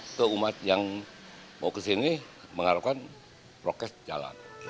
atau umat yang mau kesini mengharapkan prokes jalan